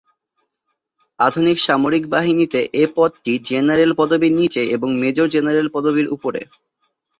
আধুনিক সামরিক বাহিনীতে এ পদটি জেনারেল পদবীর নিচে এবং মেজর জেনারেল পদবীর উপরে।